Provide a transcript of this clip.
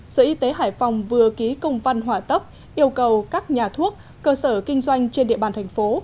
sở y tế hải phòng vừa ký công văn hỏa tấp yêu cầu các nhà thuốc cơ sở kinh doanh trên địa bàn thành phố